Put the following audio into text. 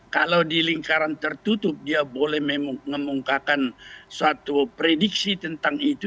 kalau di lingkaran tertutup dia boleh mengemukakan suatu prediksi tentang itu